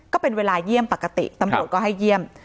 ก็เป็นเวลาเยี่ยมปกติตำรวจก็ให้เยี่ยม